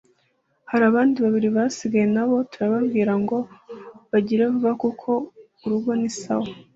Hari abandi babiri basigaye nabo turababwira ngo bagire vuba kuko urugo ni sawa